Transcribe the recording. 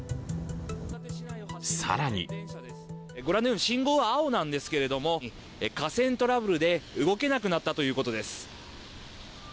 更にご覧のように信号は青なんですけど架線トラブルで動けなくなったということです。